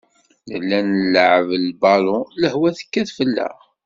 Nella nleɛɛeb lbalu, lehwa tekkat fell-aɣ.